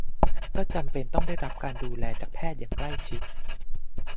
ก็จำเป็นต้องได้รับการดูแลจากแพทย์อย่างใกล้ชิด